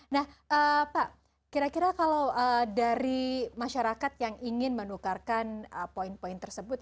nah pak kira kira kalau dari masyarakat yang ingin menukarkan poin poin tersebut